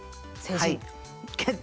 「決定」。